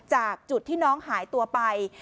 จากจุดที่น้องหายตัวไป